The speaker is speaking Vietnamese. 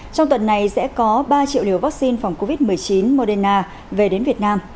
trong tuần này sẽ có ba triệu liều vaccine phòng covid một mươi chín moderna về đến việt nam